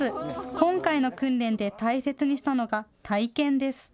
今回の訓練で大切にしたのが体験です。